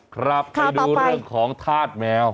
ครับไปดูเรื่องของธาตุแมว